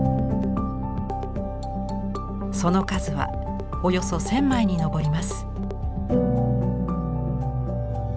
その数はおよそ１０００枚に上ります。